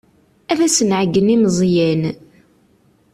Ad as-nɛeyyen i Meẓyan.